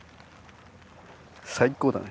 最高だね。